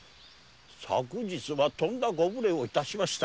昨日はとんだご無礼を致しました。